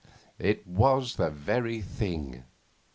It was the very thing.